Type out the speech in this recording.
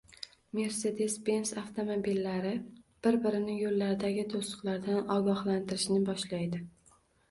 Mercedes-Benz avtomobillari bir-birini yo‘llardagi to‘siqlardan ogohlantirishni boshlaydi